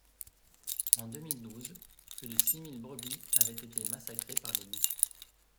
En deux mille douze, plus de six mille brebis avaient été massacrées par les loups.